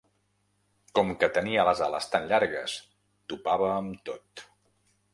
Com que tenia les ales tan llargues topava amb tot.